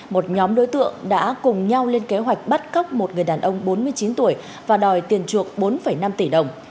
một nhóm đối tượng đã cùng nhau lên kế hoạch bắt cóc một người đàn ông bốn mươi chín tuổi và đòi tiền chuộc bốn năm tỷ đồng